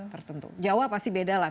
tertentu jawa pasti beda lah